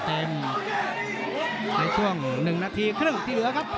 ในช่วง๑นาทีครึ่งที่เหลือครับ